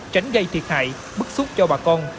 tránh gây thiệt hại bức xúc cho bà con